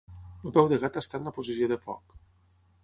El peu de gat està en la posició de foc.